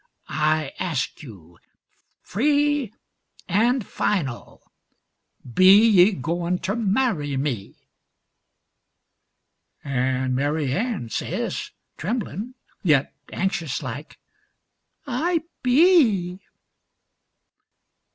I ask you free an' final, 'Be ye goin' ter marry me?'" An' Mary Ann says, tremblin, yet anxious like, "I be."